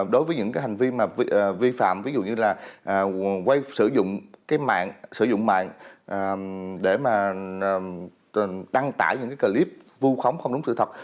đối với những cái hành vi vi phạm ví dụ như là quay sử dụng cái mạng sử dụng mạng để mà đăng tải những cái clip vu khống không đúng sự thật